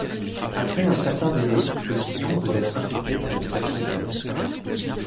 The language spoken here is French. Après un certain délai, le sillon peut être infecté par le staphylocoque.